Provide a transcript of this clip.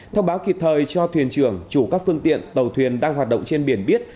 thông báo kịp thời cho thuyền trưởng chủ các phương tiện tàu thuyền đang hoạt động trên biển biết